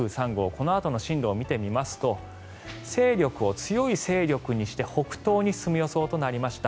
このあとの進路を見てみますと勢力を強い勢力にして北東に進む予想となりました。